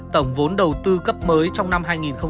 tổng vốn đầu tư cấp mới trong năm hai nghìn hai mươi